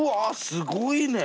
すごいね。